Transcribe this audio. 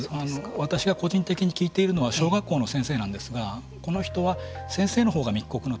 私が個人的に聞いているのは小学校の先生なんですがこの人は先生の方が密告の対象になっています。